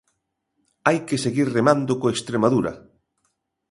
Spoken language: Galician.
Hai que seguir remando co Estremadura.